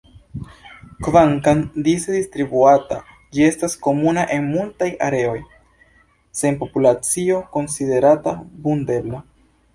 Kvankam dise distribuata, ĝi estas komuna en multaj areoj, sen populacio konsiderata vundebla.